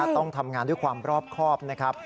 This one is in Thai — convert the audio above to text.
ต้องทำงานด้วยความบรอบครอบ